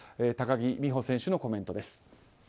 高木美帆選手のコメントです。